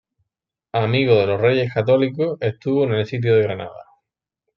Amigo de los Reyes Católicos, estuvo en el sitio de Granada.